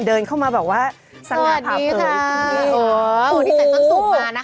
เดินเข้ามาแบบว่าสั่งงานดีค่ะอ๋อนี่ใส่ต้นสุกมานะคะ